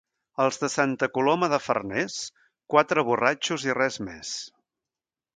Els de Santa Coloma de Farners, quatre borratxos i res més.